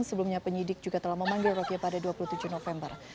sebelumnya penyidik juga telah memanggil roky pada dua puluh tujuh november